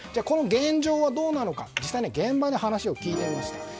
この現状はどうなのか実際現場に話を聞いてみました。